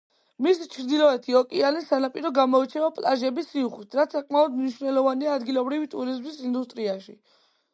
მისი ჩრდილოეთი, ოკეანის სანაპირო გამოირჩევა პლაჟების სიუხვით, რაც საკმაოდ მნიშვნელოვანია ადგილობრივი ტურიზმის ინდუსტრიაში.